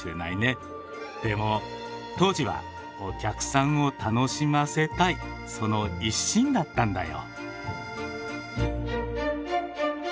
でも当時はお客さんを楽しませたいその一心だったんだよ。